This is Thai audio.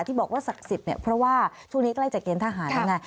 ที่บอกว่าศักดิ์สิทธิ์เนี่ยเพราะว่าช่วงนี้ใกล้จะเกณฑหารแล้วไง